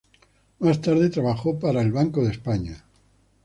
Más tarde trabajó para el Banco de España.